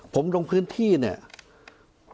ผมลงพื้นที่เนี่ย